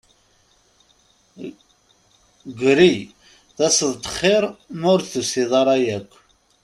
Gri taseḍ-d xir ma ur d-tusiḍ ara yakk.